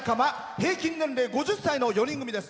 平均年齢５０歳の４人組です。